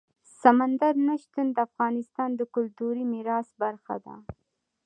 سمندر نه شتون د افغانستان د کلتوري میراث برخه ده.